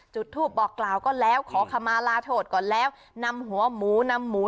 จุดทูปบอกกล่าวก่อนแล้วขอขมาลาโทษก่อนแล้วนำหัวหมูนำหมู